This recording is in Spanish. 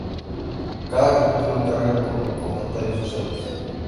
Cada capítulo carga con comentarios sociales.